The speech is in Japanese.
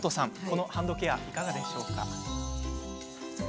このハンドケア、いかがですか。